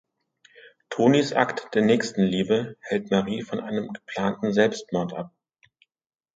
Tonis Akt der Nächstenliebe hält Marie von einem geplanten Selbstmord ab.